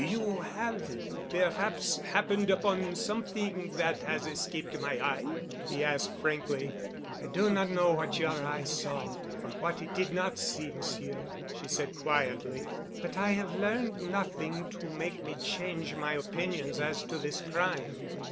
"You have perhaps happened upon something that has escaped my eye?" he asked frankly. "I do not know what your eye saw or what it did not see, Monsieur," she said quietly, "but I have learned nothing to make me change my opinions as to this crime."